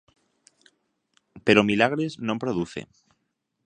Pero milagres non produce.